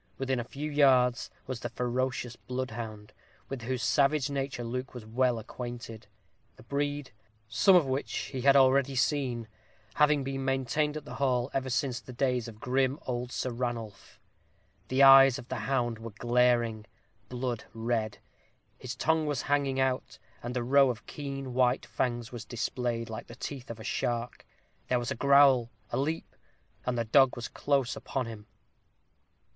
Within a few yards was a ferocious bloodhound, with whose savage nature Luke was well acquainted; the breed, some of which he had already seen, having been maintained at the hall ever since the days of grim old Sir Ranulph. The eyes of the hound were glaring, blood red; his tongue was hanging out, and a row of keen white fangs was displayed, like the teeth of a shark. There was a growl a leap and the dog was close upon him.